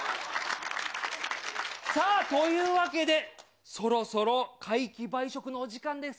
さあ、というわけで、そろそろ皆既梅食のお時間です。